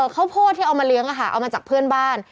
ข้าวโพดที่เอามาเลี้ยงเอามาจากเพื่อนบ้าน